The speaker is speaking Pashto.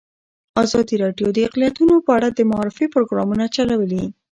ازادي راډیو د اقلیتونه په اړه د معارفې پروګرامونه چلولي.